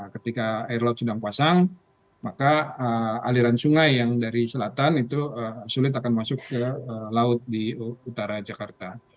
ketika air laut sedang pasang maka aliran sungai yang dari selatan itu sulit akan masuk ke laut di utara jakarta